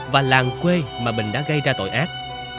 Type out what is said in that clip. và làng quê mà mình đã gây ra tội ác